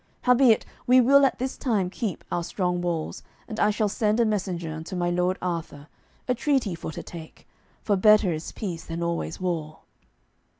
Howbeit we will at this time keep our strong walls, and I shall send a messenger unto my lord Arthur, a treaty for to take, for better is peace than always war."